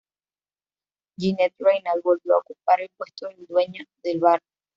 Ginette Reynal, volvió a ocupar el puesto de dueña del Bar.